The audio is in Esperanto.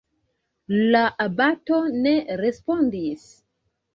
La abato ne respondis.